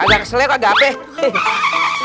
agak selera kok enggak apa apa